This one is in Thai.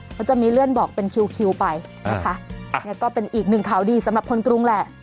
เขาจะมีเลื่อนบอกเป็นคิวคิวไปนะคะเนี่ยก็เป็นอีกหนึ่งข่าวดีสำหรับคนกรุงแหละ